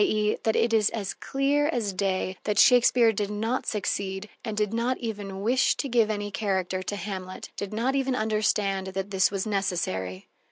e._, that it is as clear as day that Shakespeare did not succeed and did not even wish to give any character to Hamlet, did not even understand that this was necessary.